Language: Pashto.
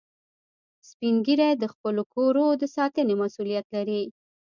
سپین ږیری د خپلو کورو د ساتنې مسؤولیت لري